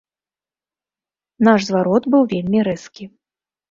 Наш зварот быў вельмі рэзкі.